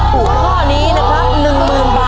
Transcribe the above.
ถ้าถูกข้อนี้นะครับ๑๐๐๐๐บาทนะครับ